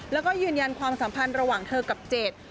แล้วก็ยืนยันความสัมพันธ์ระหว่างเธอกับเจด